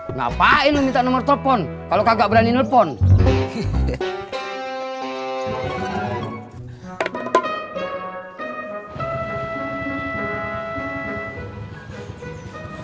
enggak mah ini minta nomor telepon kalo kagak berani willpower